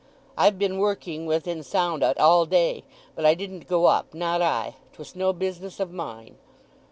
I've been working within sound o't all day, but I didn't go up—not I. 'Twas no business of mine."